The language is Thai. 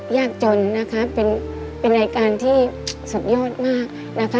ยากจนนะคะเป็นรายการที่สุดยอดมากนะคะ